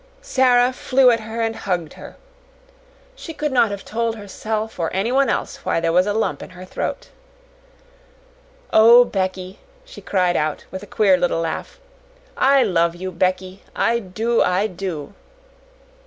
Sara flew at her and hugged her. She could not have told herself or anyone else why there was a lump in her throat. "Oh, Becky!" she cried out, with a queer little laugh, "I love you, Becky I do, I do!"